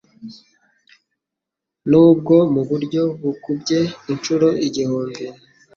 nubwo muburyo bukubye inshuro igihumbi